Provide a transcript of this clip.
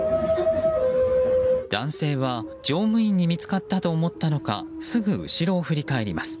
男性は乗務員に見つかったと思ったのかすぐ後ろを振り返ります。